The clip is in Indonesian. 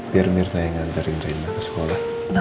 biar mirna yang nganterin reina ke sekolah